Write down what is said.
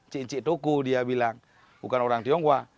cik cik toko dia bilang bukan orang tionghoa